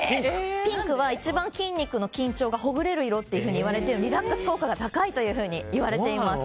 ピンクは一番筋肉の緊張がほぐれる色といわれていてリラックス効果が高いというふうにいわれています。